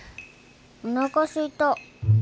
おなかすいた。